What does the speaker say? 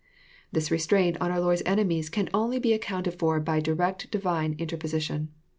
'] This restraint on our Lord's enemies can only be accounted for by direct Divine interposi tion.